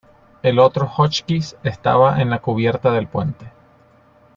El otro Hotchkiss estaba en la cubierta del puente.